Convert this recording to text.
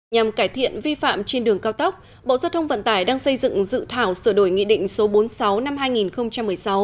nhằm cải thiện vi phạm trên đường cao tốc bộ giao thông vận tải đang xây dựng dự thảo sửa đổi nghị định số bốn mươi sáu năm hai nghìn một mươi sáu